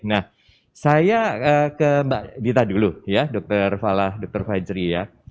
nah saya ke mbak dita dulu ya dr fala dr fajri ya